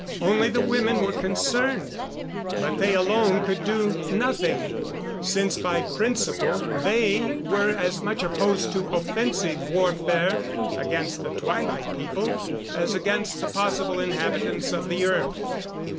Only the women were concerned, but they alone could do nothing, since by principle they were as much opposed to offensive warfare against the Twilight People as against the possible inhabitants of the earth.